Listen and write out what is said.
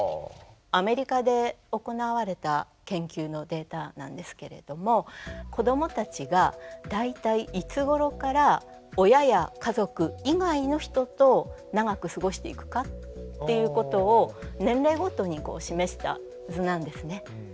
アメリカで行われた研究のデータなんですけれども子供たちが大体いつごろから親や家族以外の人と長く過ごしていくかっていうことを年齢ごとに示した図なんですね。